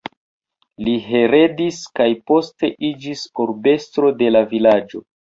Li heredis, kaj poste iĝis urbestro de la vilaĝo.